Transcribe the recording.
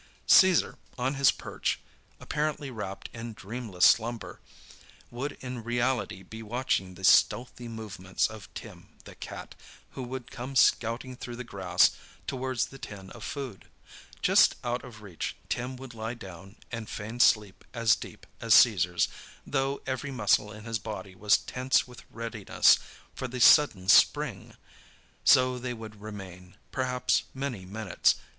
Caesar, on his perch, apparently wrapped in dreamless slumber, would in reality be watching the stealthy movements of Tim, the cat, who would come scouting through the grass towards the tin of food. Just out of reach, Tim would lie down and feign sleep as deep as Caesar's, though every muscle in his body was tense with readiness for the sudden spring. So they would remain, perhaps many minutes.